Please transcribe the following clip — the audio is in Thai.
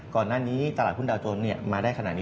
ก่อนหน้านี้ตลาดหุ้นดาวโจรมาได้ขนาดนี้